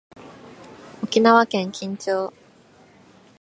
沖縄県金武町